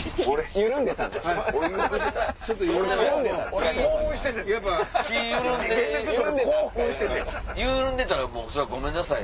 緩んでたらそれはごめんなさい。